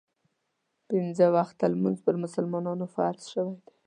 پنځه وخته لمونځ پر مسلمانانو فرض شوی دی.